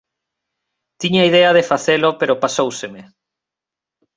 Tiña idea de facelo pero pasóuseme.